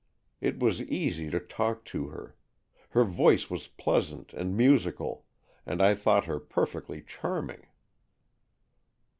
It was easy to talk to her. Her voice was pleasant and musical, and I thought her perfectly charming.